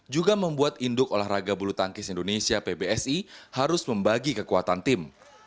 juga membuat induk olahraga bulu tangkis indonesia pbsi harus membagi kekuatan tim